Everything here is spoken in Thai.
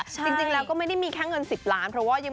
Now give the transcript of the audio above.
จริงแล้วก็ไม่ได้มีแค่เงิน๑๐ล้าน